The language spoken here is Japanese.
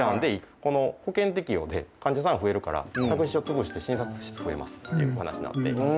この保険適用で患者さんが増えるから託児所潰して診察室増えますっていう話になって。